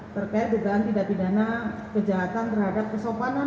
terkait dugaan tindak pidana kejahatan terhadap kesopanan